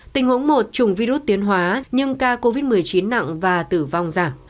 tình huống một chủng virus tiến hóa nhưng ca covid một mươi chín nặng và tử vong giảm